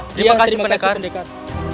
terima kasih pendekat